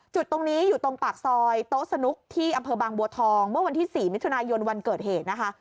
จุดตรงนี้อยู่ตรงปากซอยโต๊ะสนุกที่อำเภอบางบัวทองเมื่อวันที่๔มิถุนายนวันเกิดเหตุนะคะ